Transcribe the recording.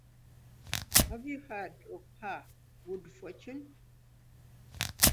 Have you heard of her good fortune?